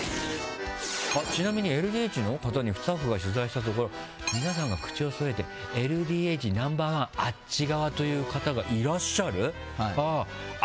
ちなみにＬＤＨの方にスタッフが取材したところ皆さんが口をそろえてＬＤＨナンバー１あっち側という方がいらっしゃる。